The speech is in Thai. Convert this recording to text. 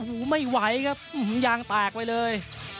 โอ้โหไม่ไหวครับยางแตกไปเลย